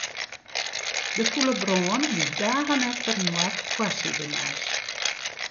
De fûle brân wie dagen efterinoar foarsidenijs.